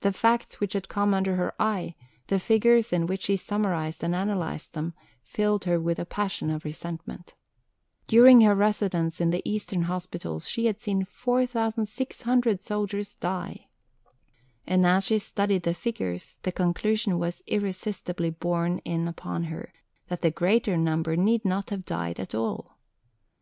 The facts which had come under her eye, the figures in which she summarized and analysed them, filled her with a passion of resentment. During her residence in the Eastern hospitals she had seen 4600 soldiers die. And as she studied the figures, the conclusion was irresistibly borne in upon her that the greater number need not have died at all.